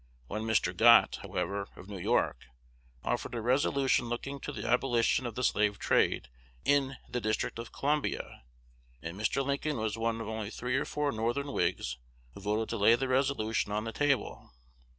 One Mr. Gott, however, of New York, offered a resolution looking to the abolition of the slave trade in the District of Columbia, and Mr. Lincoln was one of only three or four Northern Whigs who voted to lay the resolution on the table.